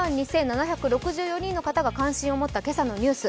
１万２７６４人の方が関心を持った今日のニュース。